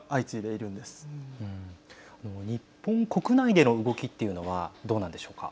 あの日本国内での動きっていうのは、どうなんでしょうか。